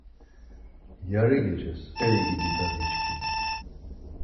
Yari geces, ey gidi, dadiçkimi